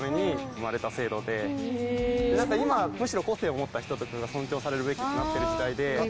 何か今むしろ個性を持った人とかが尊重されるべきになってる時代で。